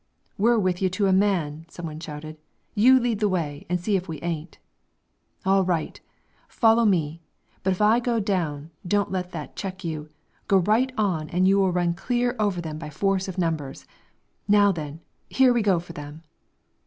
"We're with you to a man!" some one shouted. "You lead the way, and see if we ain't." "All right! Follow me, but if I go down, don't let that check you; go right on and you will run clear over them by force of numbers. Now, then, here we go for them!"